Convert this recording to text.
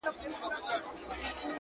ماخو ستا غمونه ځوروي گلي ;